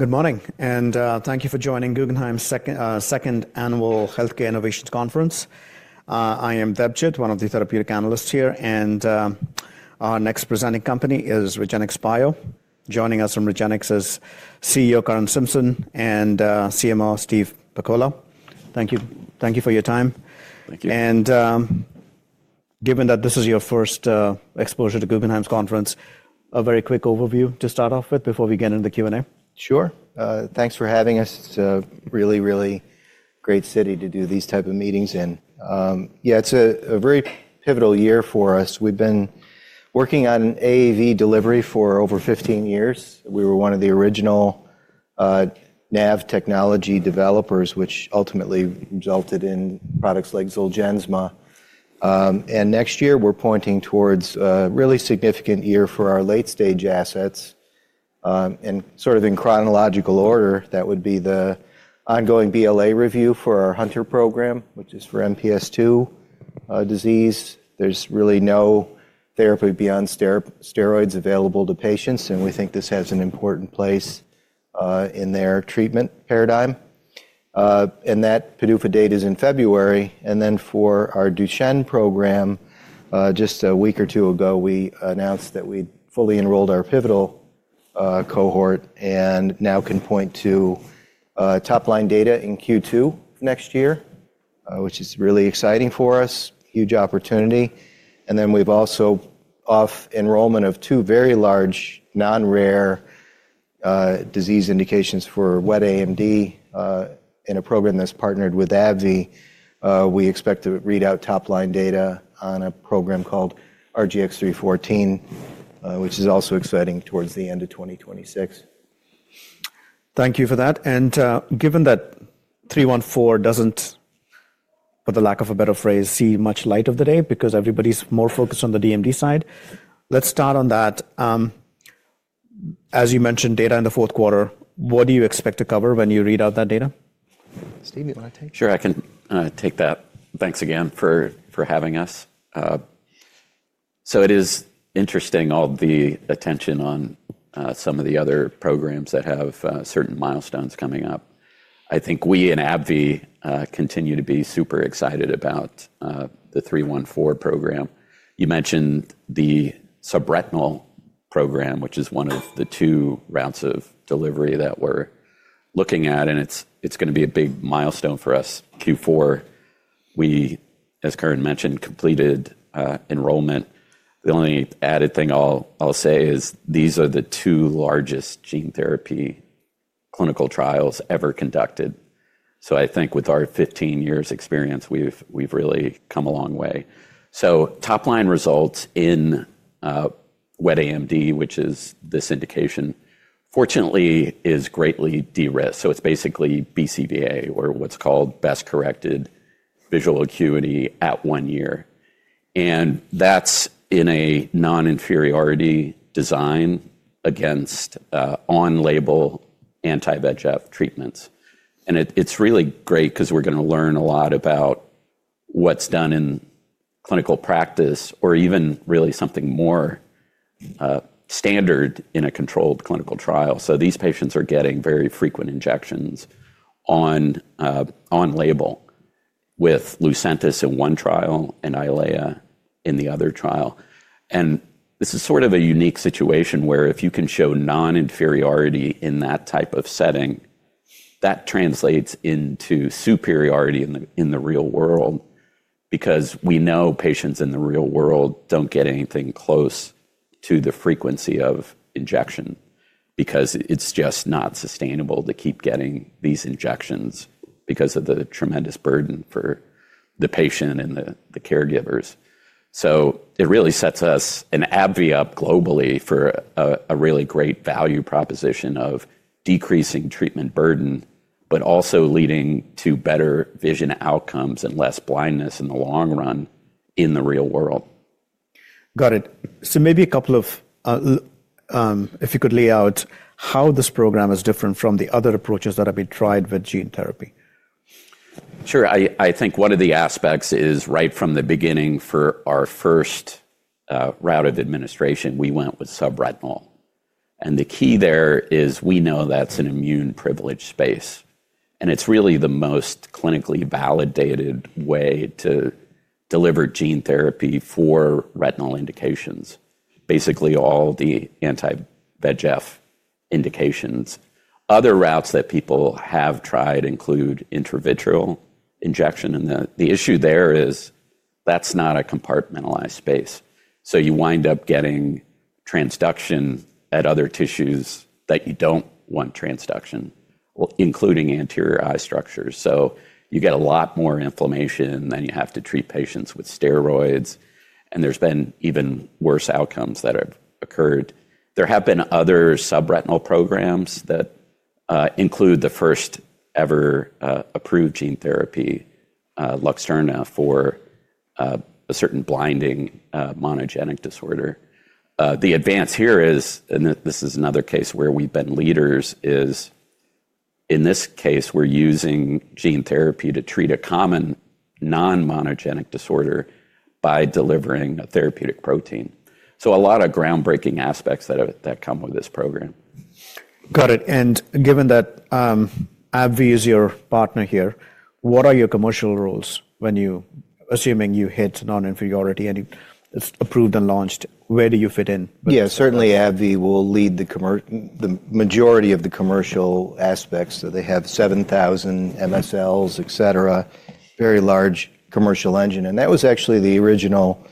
Good morning, and thank you for joining Guggenheim's Second Annual Healthcare Innovations Conference. I am Devjit, one of the therapeutic analysts here, and our next presenting company is REGENXBIO. Joining us from REGENX is CEO Curran Simpson and CMO Steve Pakola. Thank you for your time. Thank you. Given that this is your first exposure to Guggenheim's conference, a very quick overview to start off with before we get into the Q&A? Sure. Thanks for having us. It's a really, really great city to do these types of meetings. Yeah, it's a very pivotal year for us. We've been working on AAV delivery for over 15 years. We were one of the original NAV technology developers, which ultimately resulted in products like Zolgensma. Next year, we're pointing towards a really significant year for our late-stage assets. Sort of in chronological order, that would be the ongoing BLA review for our Hunter program, which is for MPS II disease. There's really no therapy beyond steroids available to patients, and we think this has an important place in their treatment paradigm. That PDUFA date is in February. For our Duchenne program, just a week or two ago, we announced that we fully enrolled our pivotal cohort and now can point to top-line data in Q2 next year, which is really exciting for us, huge opportunity. We have also off-enrollment of two very large non-rare disease indications for wet AMD in a program that's partnered with AbbVie. We expect to read out top-line data on a program called RGX-314, which is also exciting towards the end of 2026. Thank you for that. Given that 314 doesn't, for the lack of a better phrase, see much light of the day because everybody is more focused on the DMD side, let's start on that. As you mentioned, data in the fourth quarter, what do you expect to cover when you read out that data? Steve, you want to take it? Sure, I can take that. Thanks again for having us. It is interesting, all the attention on some of the other programs that have certain milestones coming up. I think we in AbbVie continue to be super excited about the 314 program. You mentioned the subretinal program, which is one of the two routes of delivery that we're looking at, and it's going to be a big milestone for us. Q4, we, as Curran mentioned, completed enrollment. The only added thing I'll say is these are the two largest gene therapy clinical trials ever conducted. I think with our 15 years' experience, we've really come a long way. Top-line results in wet AMD, which is this indication, fortunately is greatly de-risked. It's basically BCVA, or what's called best-corrected visual acuity at one year. That's in a non-inferiority design against on-label anti-VEGF treatments. It is really great because we're going to learn a lot about what's done in clinical practice or even really something more standard in a controlled clinical trial. These patients are getting very frequent injections on label with Lucentis in one trial and EYLEA in the other trial. This is sort of a unique situation where if you can show non-inferiority in that type of setting, that translates into superiority in the real world because we know patients in the real world do not get anything close to the frequency of injection because it is just not sustainable to keep getting these injections because of the tremendous burden for the patient and the caregivers. So it really sets us and AbbVie up globally for a really great value proposition of decreasing treatment burden, but also leading to better vision outcomes and less blindness in the long run in the real world. Got it. Maybe a couple of, if you could lay out how this program is different from the other approaches that have been tried with gene therapy. Sure. I think one of the aspects is right from the beginning for our first route of administration, we went with subretinal. The key there is we know that's an immune privilege space. It's really the most clinically validated way to deliver gene therapy for retinal indications, basically all the anti-VEGF indications. Other routes that people have tried include intravitreal injection. The issue there is that's not a compartmentalized space. You wind up getting transduction at other tissues that you don't want transduction, including anterior eye structures. You get a lot more inflammation and you have to treat patients with steroids. There have been even worse outcomes that have occurred. There have been other subretinal programs that include the first-ever approved gene therapy, Luxturna, for a certain blinding monogenic disorder. The advance here is, and this is another case where we've been leaders, is in this case, we're using gene therapy to treat a common non-monogenic disorder by delivering a therapeutic protein. So a lot of groundbreaking aspects that come with this program. Got it. Given that AbbVie is your partner here, what are your commercial roles when you're assuming you hit non-inferiority and it's approved and launched? Where do you fit in? Yeah, certainly AbbVie will lead the majority of the commercial aspects. They have 7,000 MSLs, et cetera, very large commercial engine. That was actually the original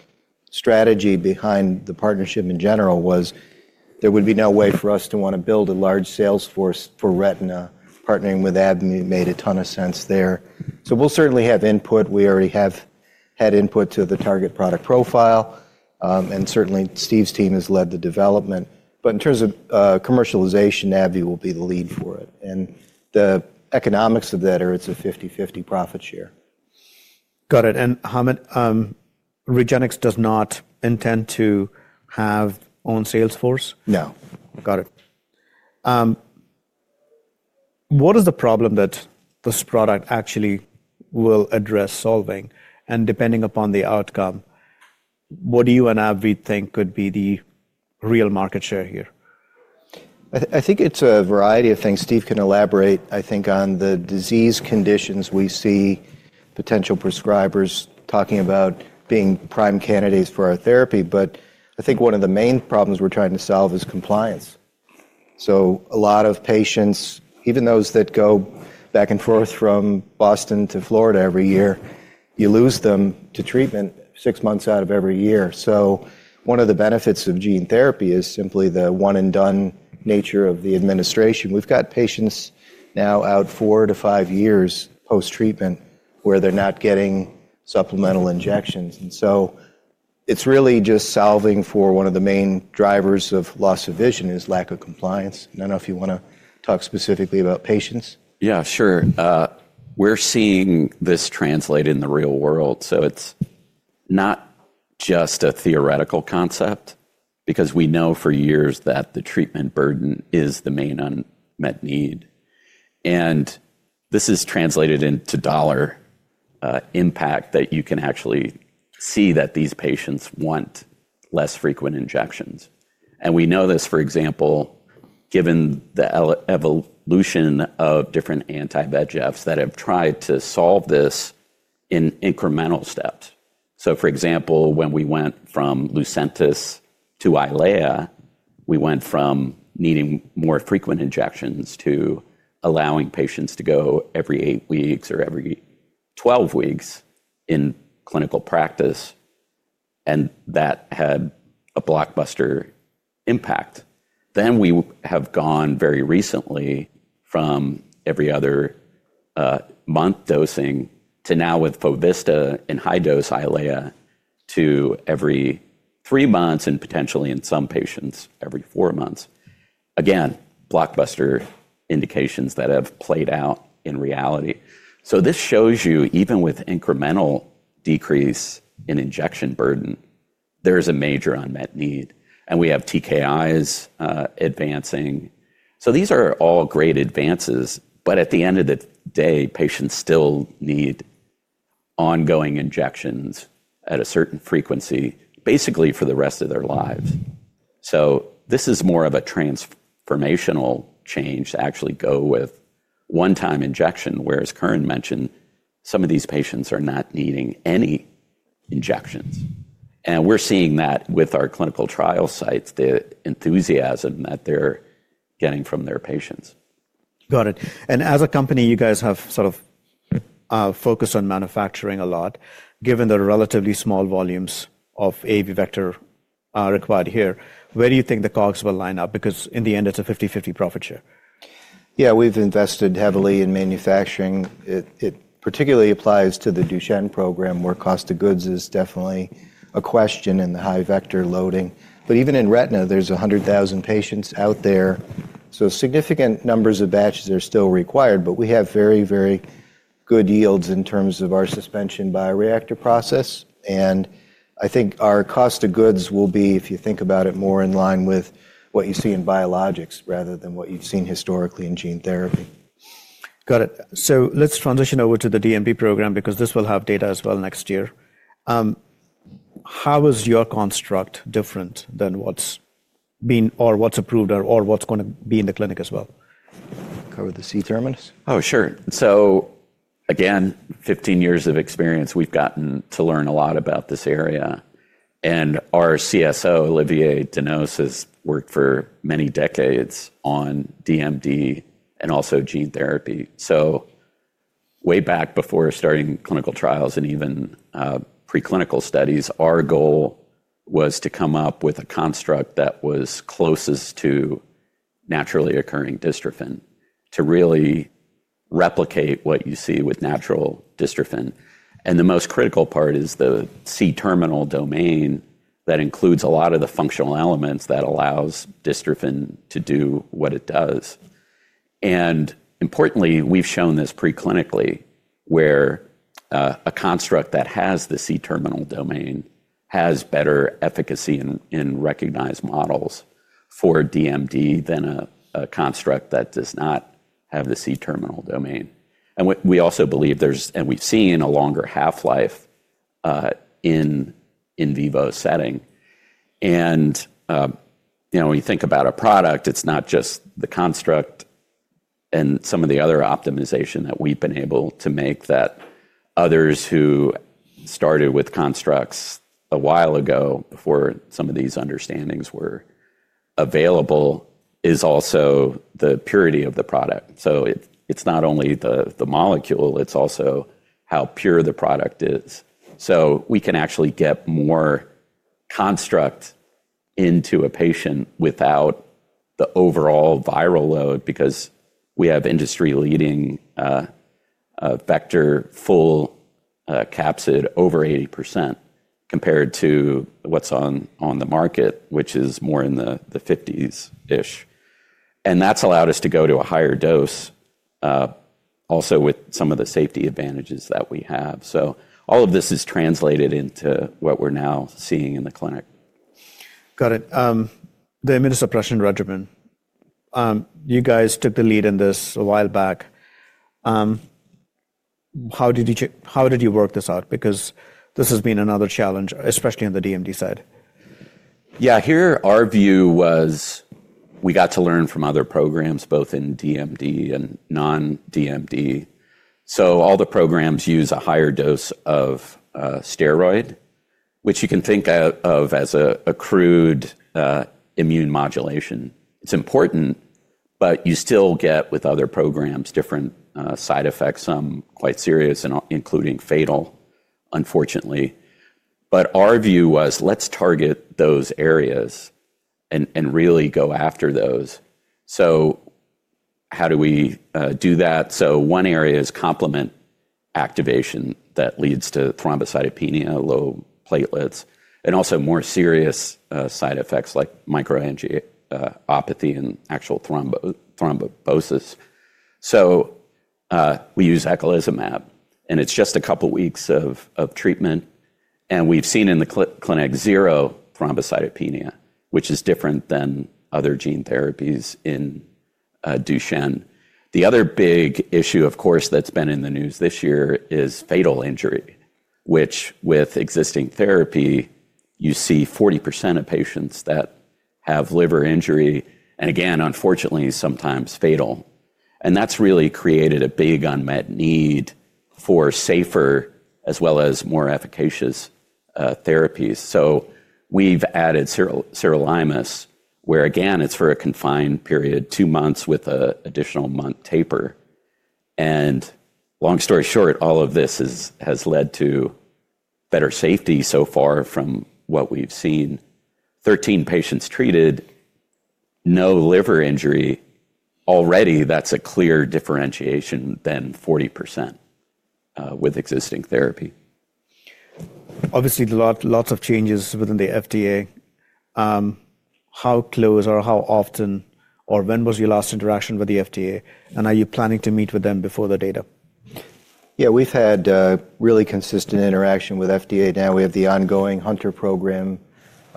strategy behind the partnership in general was there would be no way for us to want to build a large sales force for retina. Partnering with AbbVie made a ton of sense there. We will certainly have input. We already have had input to the target product profile. Certainly Steve's team has led the development. In terms of commercialization, AbbVie will be the lead for it. The economics of that are it's a 50/50 profit share. Got it. And [Hamid], REGENX does not intend to have own sales force? No. Got it. What is the problem that this product actually will address solving? And depending upon the outcome, what do you and AbbVie think could be the real market share here? I think it's a variety of things. Steve can elaborate, I think, on the disease conditions we see potential prescribers talking about being prime candidates for our therapy. But I think one of the main problems we're trying to solve is compliance. So a lot of patients, even those that go back and forth from Boston to Florida every year, you lose them to treatment six months out of every year. So one of the benefits of gene therapy is simply the one-and-done nature of the administration. We've got patients now out four to five years post-treatment where they're not getting supplemental injections. And so it's really just solving for one of the main drivers of loss of vision is lack of compliance. And I don't know if you want to talk specifically about patients. Yeah, sure. We're seeing this translate in the real world. So it's not just a theoretical concept because we know for years that the treatment burden is the main unmet need, and this is translated into dollar impact that you can actually see that these patients want less frequent injections. And we know this, for example, given the evolution of different anti-VEGFs that have tried to solve this in incremental steps. So for example, when we went from Lucentis to EYLEA, we went from needing more frequent injections to allowing patients to go every eight weeks or every 12 weeks in clinical practice, and that had a blockbuster impact. Then we have gone very recently from every other month dosing to now with Fovista in high-dose EYLEA to every three months and potentially in some patients every four months. Again, blockbuster indications that have played out in reality. So this shows you even with incremental decrease in injection burden, there is a major unmet need. And we have TKIs advancing. So these are all great advances. But at the end of the day, patients still need ongoing injections at a certain frequency basically for the rest of their lives. So this is more of a transformational change to actually go with one-time injection, whereas Curran mentioned some of these patients are not needing any injections. And we're seeing that with our clinical trial sites, the enthusiasm that they're getting from their patients. Got it. And as a company, you guys have sort of focused on manufacturing a lot. Given the relatively small volumes of AAV vector required here, where do you think the COGS will line up? Because in the end, it's a 50/50 profit share. Yeah, we've invested heavily in manufacturing. It particularly applies to the Duchenne program where cost of goods is definitely a question in the high vector loading. But even in retina, there's 100,000 patients out there. So significant numbers of batches are still required. But we have very, very good yields in terms of our suspension bioreactor process. And I think our cost of goods will be, if you think about it, more in line with what you see in biologics rather than what you've seen historically in gene therapy. Got it. So let's transition over to the DMD program because this will have data as well next year. How is your construct different than what's been or what's approved or what's going to be in the clinic as well? Cover the C terminus? Oh, sure. So again, 15 years of experience, we've gotten to learn a lot about this area. And our CSO, Olivier Danos, has worked for many decades on DMD and also gene therapy. So way back before starting clinical trials and even preclinical studies, our goal was to come up with a construct that was closest to naturally occurring dystrophin to really replicate what you see with natural dystrophin. And the most critical part is the C terminal domain that includes a lot of the functional elements that allows dystrophin to do what it does. And importantly, we've shown this preclinically where a construct that has the C terminal domain has better efficacy in recognized models for DMD than a construct that does not have the C terminal domain. And we also believe there's, and we've seen a longer half-life in in vivo setting. And when you think about a product, it's not just the construct and some of the other optimization that we've been able to make that others who started with constructs a while ago before some of these understandings were available is also the purity of the product. So it's not only the molecule, it's also how pure the product is. So we can actually get more construct into a patient without the overall viral load because we have industry-leading vector full capsid over 80% compared to what's on the market, which is more in the 50s-ish. And that's allowed us to go to a higher dose also with some of the safety advantages that we have. So all of this is translated into what we're now seeing in the clinic. Got it. The immunosuppression regimen, you guys took the lead in this a while back. How did you work this out? Because this has been another challenge, especially on the DMD side. Yeah, here our view was we got to learn from other programs, both in DMD and non-DMD. So all the programs use a higher dose of steroid, which you can think of as a crude immune modulation. It's important, but you still get with other programs different side effects, some quite serious, including fatal, unfortunately. But our view was let's target those areas and really go after those. So how do we do that? So one area is complement activation that leads to thrombocytopenia, low platelets, and also more serious side effects like microangiopathy and actual thrombosis. So we use eculizumab. And it's just a couple of weeks of treatment. And we've seen in the clinic zero thrombocytopenia, which is different than other gene therapies in Duchenne. The other big issue, of course, that's been in the news this year is fatal injury, which with existing therapy, you see 40% of patients that have liver injury. And again, unfortunately, sometimes fatal. And that's really created a big unmet need for safer as well as more efficacious therapies. So we've added serolimus where, again, it's for a confined period, two months with an additional month taper. And long story short, all of this has led to better safety so far from what we've seen. 13 patients treated, no liver injury already. That's a clear differentiation than 40% with existing therapy. Obviously, lots of changes within the FDA. How close or how often or when was your last interaction with the FDA? And are you planning to meet with them before the data? Yeah, we've had really consistent interaction with FDA. Now we have the ongoing Hunter program,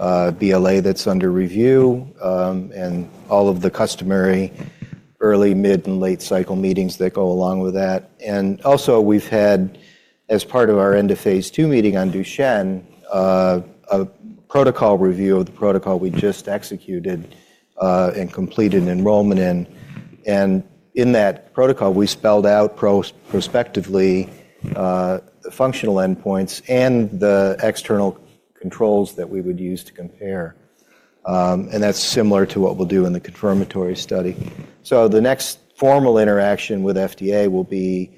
VLA that's under review, and all of the customary early, mid, and late cycle meetings that go along with that. And also we've had, as part of our end of phase II meeting on Duchenne, a protocol review of the protocol we just executed and completed enrollment in. And in that protocol, we spelled out prospectively the functional endpoints and the external controls that we would use to compare. And that's similar to what we'll do in the confirmatory study. So the next formal interaction with FDA will be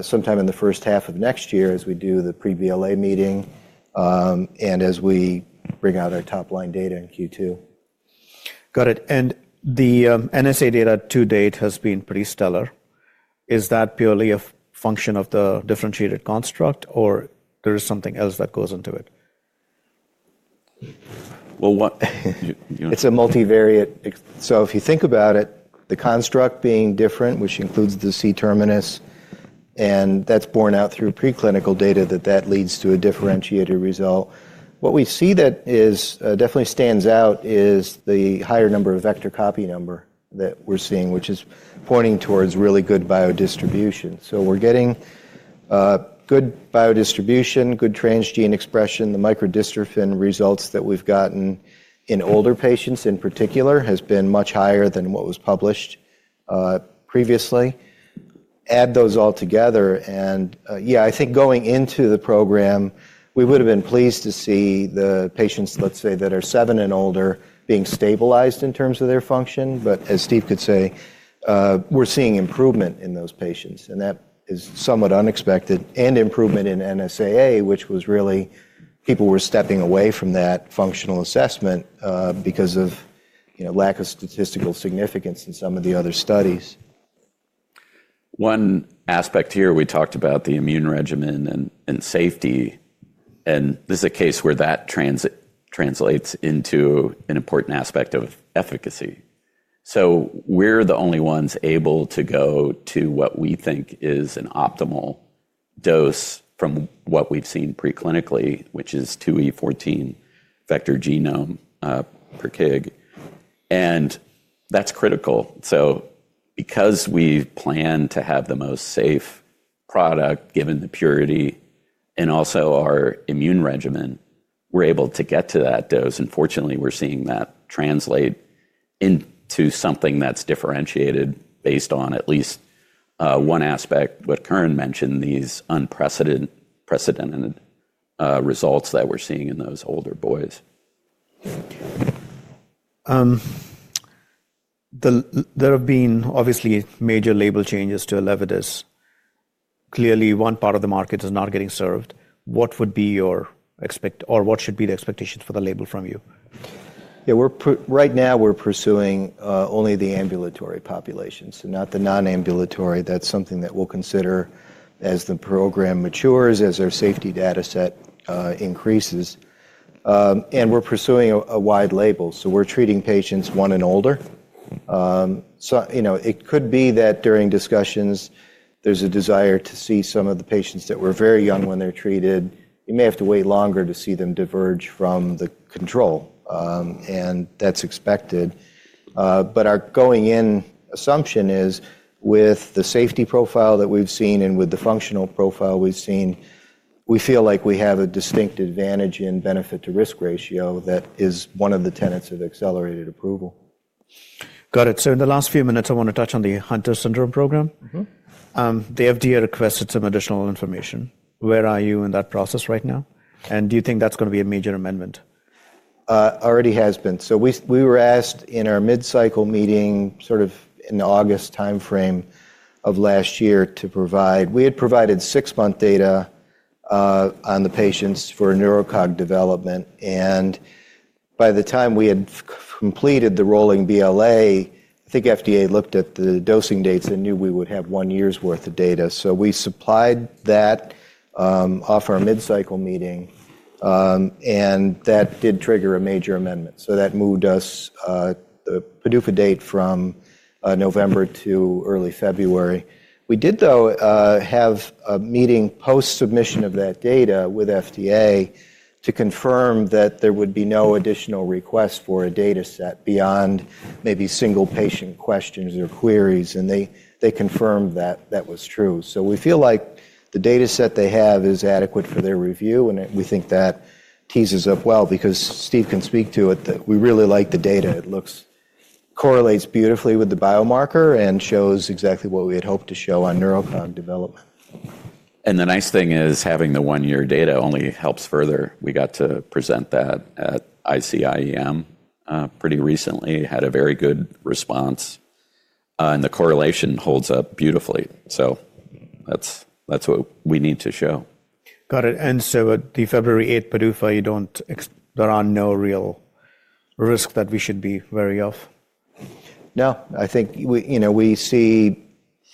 sometime in the first half of next year as we do the pre-VLA meeting and as we bring out our top line data in Q2. Got it. And the NSA data to date has been pretty stellar. Is that purely a function of the differentiated construct or there is something else that goes into it? It's a multivariate. So if you think about it, the construct being different, which includes the C terminus, and that's borne out through preclinical data that that leads to a differentiated result. What we see that definitely stands out is the higher number of vector copy number that we're seeing, which is pointing towards really good biodistribution. So we're getting good biodistribution, good transgene expression. The microdystrophin results that we've gotten in older patients in particular have been much higher than what was published previously. Add those all together. Yeah, I think going into the program, we would have been pleased to see the patients, let's say, that are seven and older being stabilized in terms of their function. But as Steve could say, we're seeing improvement in those patients. That is somewhat unexpected. And improvement in NSAA, which was really people were stepping away from that functional assessment because of lack of statistical significance in some of the other studies. One aspect here, we talked about the immune regimen and safety. And this is a case where that translates into an important aspect of efficacy. So we're the only ones able to go to what we think is an optimal dose from what we've seen preclinically, which is 2E14 vector genome per kg. And that's critical. So because we plan to have the most safe product given the purity and also our immune regimen, we're able to get to that dose. And fortunately, we're seeing that translate into something that's differentiated based on at least one aspect, what Curran mentioned, these unprecedented results that we're seeing in those older boys. There have been obviously major label changes to Elevidus. Clearly, one part of the market is not getting served. What would be your expectation or what should be the expectations for the label from you? Yeah, right now we're pursuing only the ambulatory population, so not the non-ambulatory. That's something that we'll consider as the program matures, as our safety data set increases. And we're pursuing a wide label. So we're treating patients one and older. So it could be that during discussions, there's a desire to see some of the patients that were very young when they're treated. You may have to wait longer to see them diverge from the control. And that's expected. But our going-in assumption is with the safety profile that we've seen and with the functional profile we've seen, we feel like we have a distinct advantage in benefit to risk ratio that is one of the tenets of accelerated approval. Got it. So in the last few minutes, I want to touch on the Hunter Syndrome program. The FDA requested some additional information. Where are you in that process right now? And do you think that's going to be a major amendment? Already has been. So we were asked in our mid-cycle meeting sort of in August timeframe of last year to provide we had provided six-month data on the patients for neurocog development. And by the time we had completed the rolling VLA, I think FDA looked at the dosing dates and knew we would have one year's worth of data. So we supplied that off our mid-cycle meeting. And that did trigger a major amendment. So that moved us the PDUFA date from November to early February. We did, though, have a meeting post-submission of that data with FDA to confirm that there would be no additional request for a data set beyond maybe single patient questions or queries. And they confirmed that that was true. So we feel like the data set they have is adequate for their review. And we think that teases up well because Steve can speak to it that we really like the data. It correlates beautifully with the biomarker and shows exactly what we had hoped to show on neurocog development. And the nice thing is having the one-year data only helps further. We got to present that at ICIEM pretty recently. Had a very good response. And the correlation holds up beautifully. So that's what we need to show. Got it. And so at the February 8th PDUFA, there are no real risks that we should be wary of? No. I think we see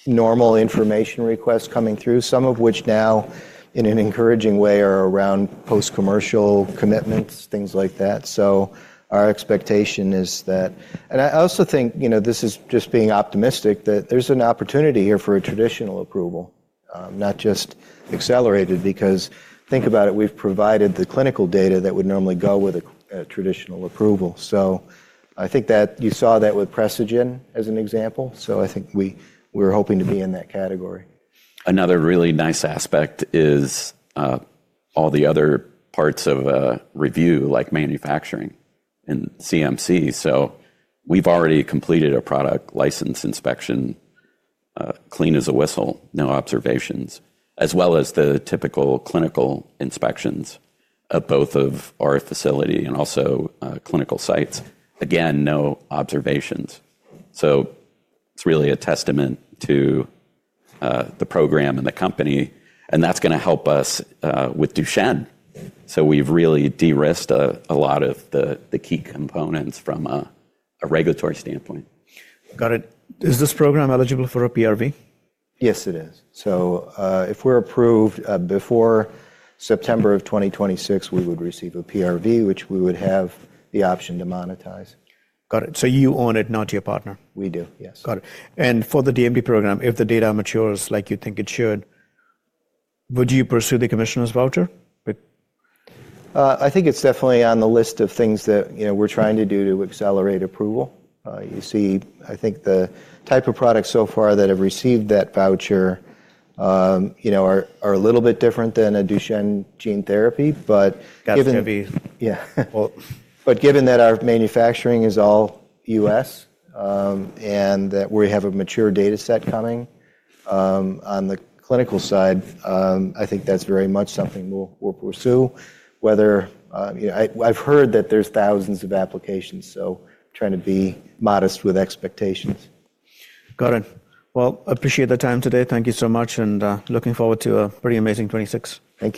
normal information requests coming through, some of which now in an encouraging way are around post-commercial commitments, things like that. So our expectation is that and I also think this is just being optimistic that there's an opportunity here for a traditional approval, not just accelerated because think about it, we've provided the clinical data that would normally go with a traditional approval. So I think that you saw that with Precision as an example. So I think we're hoping to be in that category. Another really nice aspect is all the other parts of review, like manufacturing and CMC. So we've already completed a product license inspection, clean as a whistle, no observations, as well as the typical clinical inspections at both of our facility and also clinical sites. Again, no observations. So it's really a testament to the program and the company. And that's going to help us with Duchenne. So we've really de-risked a lot of the key components from a regulatory standpoint. Got it. Is this program eligible for a PRV? Yes, it is. So if we're approved before September of 2026, we would receive a PRV, which we would have the option to monetize. Got it. So you own it, not your partner? We do, yes. Got it. And for the DMD program, if the data matures like you think it should, would you pursue the commissioner's voucher? I think it's definitely on the list of things that we're trying to do to accelerate approval. You see, I think the type of products so far that have received that voucher are a little bit different than a Duchenne gene therapy, but given that our manufacturing is all U.S., and that we have a mature data set coming on the clinical side, I think that's very much something we'll pursue. I've heard that there's thousands of applications, so trying to be modest with expectations. Got it. Well, appreciate the time today. Thank you so much. And looking forward to a pretty amazing 26th. Thank you.